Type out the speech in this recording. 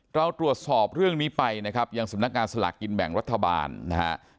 เราตรวจสอบเรื่องนี้ไปนะครับยังสำนักงานสลากกินแบ่งรัฐบาลนะฮะ